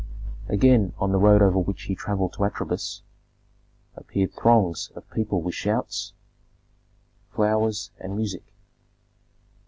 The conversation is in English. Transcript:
Again, on the road over which he travelled to Atribis, appeared throngs of people with shouts, flowers, and music.